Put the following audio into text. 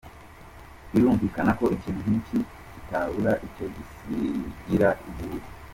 Birumvikana ko ikintu nk’iki kitabura icyo gisigira igihugu.